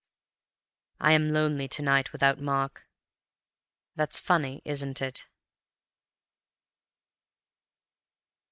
"I am lonely to night without Mark. That's funny, isn't it?"